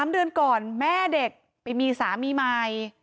๓เดือนก่อนแม่เด็กไปมีสามีใหม่